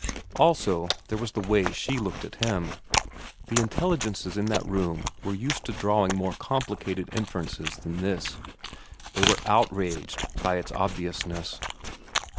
Also there was the way she looked at him. The intelligences in that room were used to drawing more complicated inferences than this. They were outraged by its obvious ness.